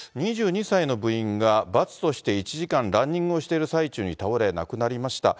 ２２歳の部員が罰として１時間ランニングをしている最中に倒れ、亡くなりました。